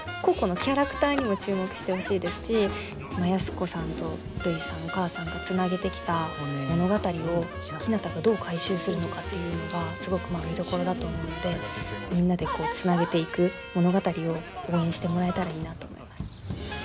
個々のキャラクターにも注目してほしいですし安子さんとるいさんお母さんがつなげてきた物語をひなたがどう回収するのかっていうのがすごく見どころだと思うのでみんなでつなげていく物語を応援してもらえたらいいなと思います。